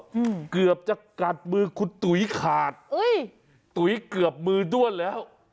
อืมเกือบจะกัดมือคุณตุ๋ยขาดอุ้ยตุ๋ยเกือบมือด้วนแล้ว